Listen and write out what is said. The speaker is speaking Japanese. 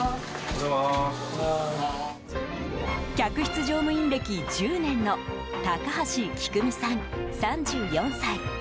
客室乗務員歴１０年の高橋希久美さん、３４歳。